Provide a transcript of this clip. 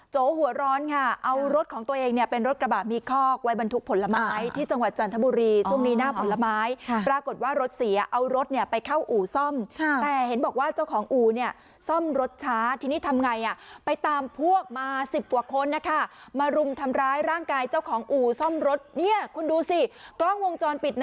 โจวหัวร้อนค่ะเอารถของตัวเองเนี่ยเป็นรถกระบะมีคอก